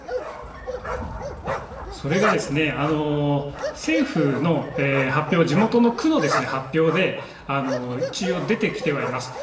それが、政府の発表は、地元の区の発表で、一応出てきてはいます。